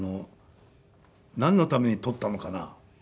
なんのために採ったのかな？